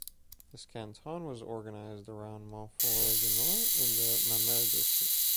This canton was organized around Montfort-le-Gesnois, in the Mamers district.